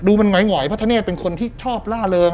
ดูมันเหงอยเพราะทัเนศเป็นคนที่ชอบล่าเลิง